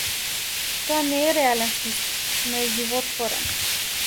Тоа не е реален систем, но е животворен.